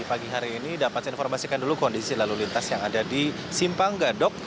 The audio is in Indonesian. pagi hari ini dapat saya informasikan dulu kondisi lalu lintas yang ada di simpang gadok